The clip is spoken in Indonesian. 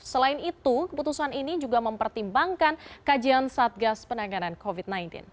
selain itu keputusan ini juga mempertimbangkan kajian satgas penanganan covid sembilan belas